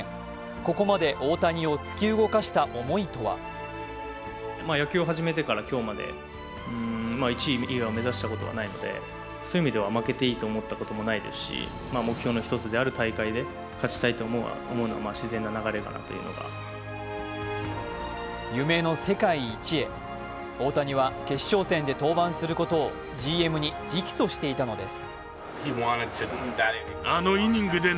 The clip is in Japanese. ここまで大谷を突き動かした思いとは夢の世界一へ大谷は決勝戦で登板することをＧＭに直訴していたのです。